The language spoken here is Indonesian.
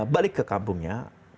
balik ke kampungnya